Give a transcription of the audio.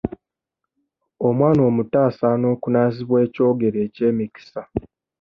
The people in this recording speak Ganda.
Omwana omuto asaana okunaazibwa eky'ogero eky'emikisa.